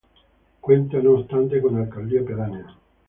Cuenta, no obstante, con alcaldía pedánea.